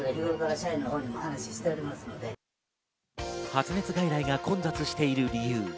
発熱外来が混雑している理由。